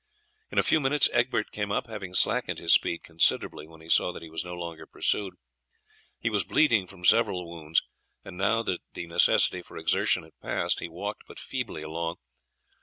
In a few minutes Egbert came up, having slackened his speed considerably when he saw that he was no longer pursued. He was bleeding from several wounds, and now that the necessity for exertion had passed he walked but feebly along.